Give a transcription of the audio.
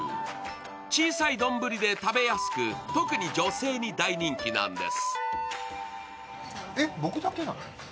小さい丼で食べやすく、特に女性に大人気なんです。